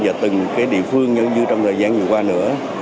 và từng cái địa phương như trong thời gian vừa qua nữa